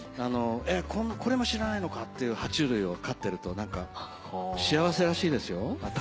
えっこれも知らないのか！っていう爬虫類を飼ってると幸せらしいですよ。